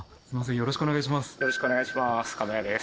よろしくお願いします。